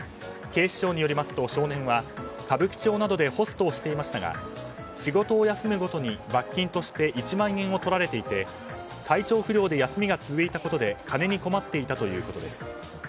警視庁によりますと少年は、歌舞伎町などでホストをしていましたが仕事を休むごとに、罰金として１万円を取られていて体調不良で休みが続いたことで金に困っていたということです。